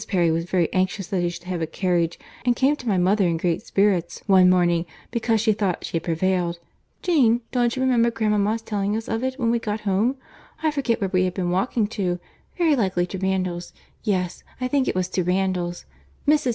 Perry was very anxious that he should have a carriage, and came to my mother in great spirits one morning because she thought she had prevailed. Jane, don't you remember grandmama's telling us of it when we got home? I forget where we had been walking to—very likely to Randalls; yes, I think it was to Randalls. Mrs.